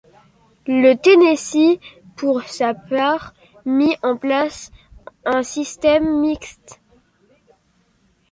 Le Tennessee, pour sa part, mit en place un système mixte.